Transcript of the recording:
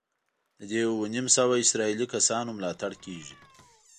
د دې اووه نیم سوه اسرائیلي کسانو ملاتړ کېږي.